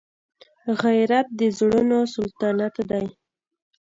غیرت د زړونو سلطنت دی